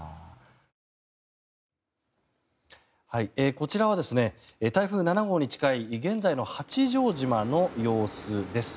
こちらは台風７号に近い現在の八丈島の様子です。